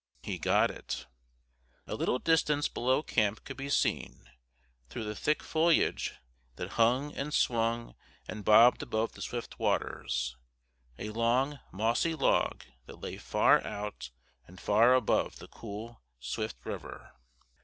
He got it. A little distance below camp could be seen, through the thick foliage that hung and swung and bobbed above the swift waters, a long, mossy log that lay far out and far above the cool, swift river.